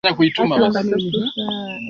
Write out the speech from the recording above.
Jua ni muhimu kwa mwili